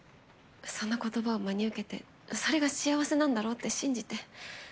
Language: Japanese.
そんな言葉を真に受けてそれが幸せなんだろうって信じて。